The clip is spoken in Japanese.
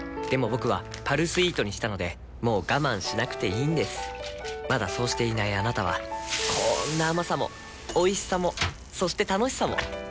僕は「パルスイート」にしたのでもう我慢しなくていいんですまだそうしていないあなたはこんな甘さもおいしさもそして楽しさもあちっ。